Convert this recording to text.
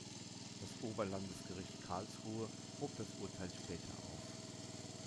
Das Oberlandesgericht Karlsruhe hob das Urteil später auf.